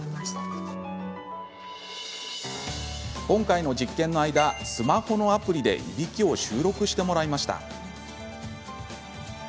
今回の実験の間スマホのアプリでいびきを収録してもらいました。